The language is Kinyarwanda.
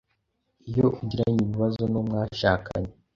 “iyo ugiranye ibibazo n’uwo mwashakanye